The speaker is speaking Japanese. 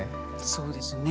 そうですね。